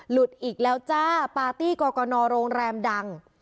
ลุดอีกแล้วจ้าใหม่ปาร์ตี้กอกอนอร์โรงแรมดัง